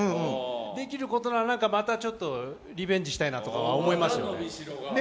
できることなら、またリベンジしたいなとか思いますよね。